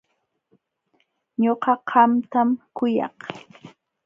Ñuqa qamtam kuyak.